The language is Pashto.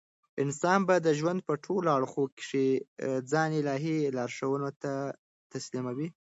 انسان به د ژوند په ټولو اړخو کښي ځان الهي لارښوونو ته تسلیموي.